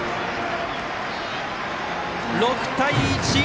６対１！